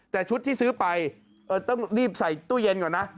แต่ชุดที่ซื้อไปต้องรีบใส่ตู้เย็นก่อนนะ